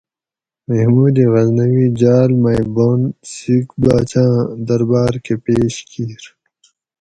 محمود غزنوی جال مئ بن سیکھ باۤچاۤں دربار کہ پیش کیِر